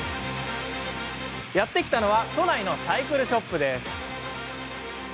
やって来たのは都内のサイクルショップ。